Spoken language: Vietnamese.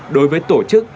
đối với tổ chức